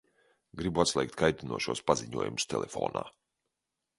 Gribu atslēgt kaitinošos paziņojumus telefonā.